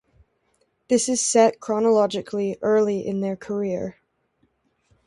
This is set chronologically early in their career.